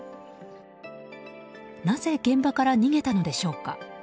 なぜ現場から逃げたのでしょうか。